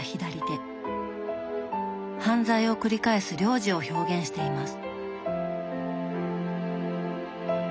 犯罪を繰り返す亮司を表現しています。